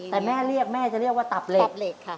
แต่แม่เรียกแม่จะเรียกว่าตับเหล็กตับเหล็กค่ะ